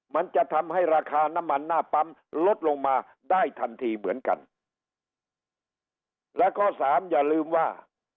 มันจะทำให้ราคาน้ำมันหน้าปั๊มลดลงมาได้ทันทีเหมือนกันและข้อสามอย่าลืมว่า